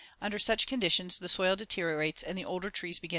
Under such conditions, the soil deteriorates and the older trees begin to suffer.